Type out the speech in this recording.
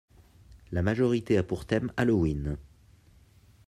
La majorité a pour thème Halloween.